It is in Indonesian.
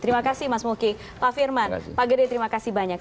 terima kasih mas muki pak firman pak gede terima kasih banyak